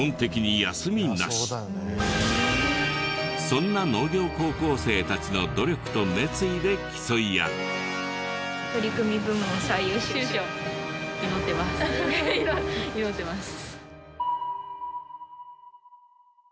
そんな農業高校生たちの努力と熱意で競い合う。祈ってます。